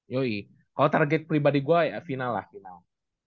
yoi kalau target pribadi gue ya final lah final